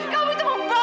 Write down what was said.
kamu itu mumpar